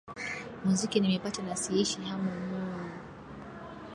muziki nimepata na siishi hamu mmuuuh